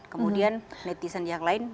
kemudian netizen yang lain